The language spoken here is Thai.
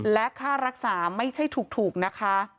และค่ารักษาไม่ใช่ถูกนะคะ